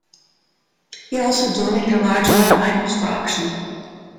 He also donated a large amount of items for auction.